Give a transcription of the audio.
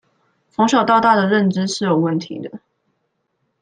從小到大的認知是有問題的